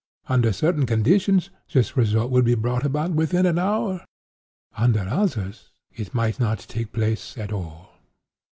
Under certain conditions this result would be brought about within an hour; under others, it might not take place at all.